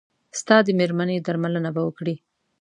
ستا د مېرمنې درملنه به وکړي.